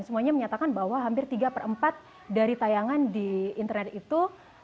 semuanya menyatakan bahwa hampir tiga per empat dari tayangan di internet itu